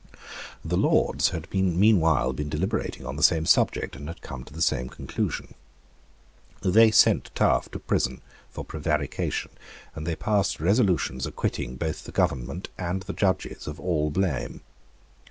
The Lords had meanwhile been deliberating on the same subject, and had come to the same conclusion. They sent Taaffe to prison for prevarication; and they passed resolutions acquitting both the government and the judges of all blame.